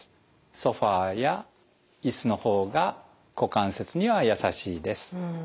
ソファーや椅子の方が股関節にはやさしいです。